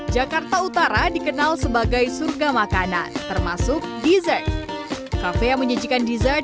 jakarta utara dikenal sebagai surga makanan termasuk dessert kafe yang menyajikan dessert